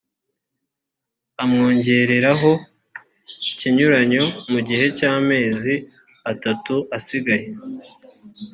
amwongereraho ikinyuranyo mu gihe cy amezi atatu asigaye